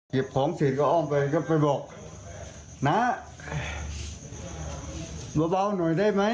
เห็บของเสียงก็อ้อมไปก็ไปบอกนาบ่าบ้าวหน่อยได้มั้ย